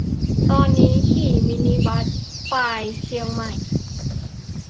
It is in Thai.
ตอนนี้ขี่มินิบัส ปาย-เชียงใหม่